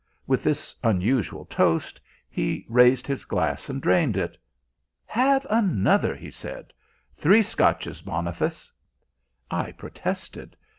With this unusual toast he raised his glass and drained it. "Have another," he said. "Three Scotches, Boniface." I protested.